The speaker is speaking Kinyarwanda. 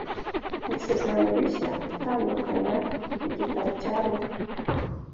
Mu Isezerano Rishya, itandukanya igitabo cya Luka